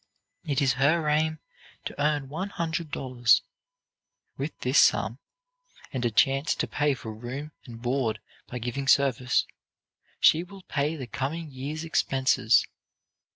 It is her aim to earn one hundred dollars. With this sum, and a chance to pay for room and board by giving service, she will pay the coming year's expenses.